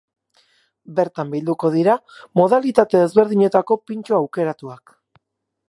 Bertan bilduko dira modalitate ezberdinetako pintxo aukeratuak.